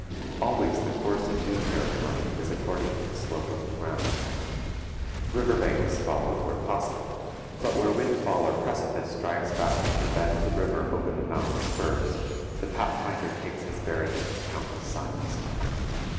Always the course in new territory is according to the slope of the ground. River bank is followed where possible; but where windfall or precipice drives back from the bed of the river over the mountain spurs, the pathfinder takes his bearings from countless signs.